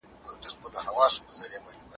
په دښته کې د پاکو اوبو پیدا کول سخت دي.